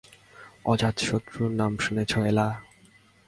অজাতশত্রু নাম শুনেছ এলা।